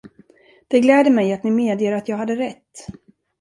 Det gläder mig att ni medger att jag hade rätt.